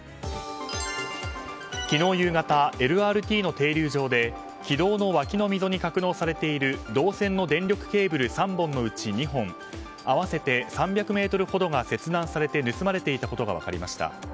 昨日夕方、ＬＲＴの停留場で軌道の脇の溝に格納されている銅線の電力ケーブル３本のうち２本合わせて３００ｍほどが切断されて盗まれていることが分かりました。